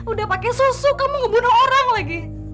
udah pakai susu kamu ngebunuh orang lagi